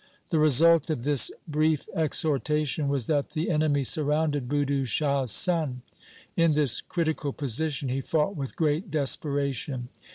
The result of this brief exhortation was that the enemy surrounded Budhu Shah's son. In this critical position he fought with great desperation.